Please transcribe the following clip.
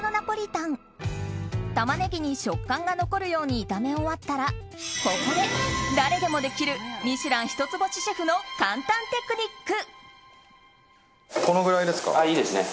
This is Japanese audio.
タマネギに食感が残るように炒め終わったらここで誰でもできる「ミシュラン」一つ星シェフの簡単テクニック。